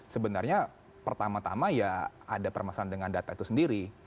sebenarnya pertama tama ya ada permasalahan dengan data itu sendiri